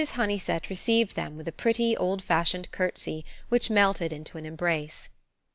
Honeysett received them with a pretty, old fashioned curtsey, which melted into an embrace.